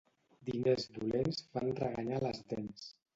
Diners dolents fan reganyar a les dents.